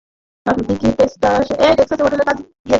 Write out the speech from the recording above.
আপনি কি টেক্সাসে হোটেলের কাজে গিয়েছিলেন?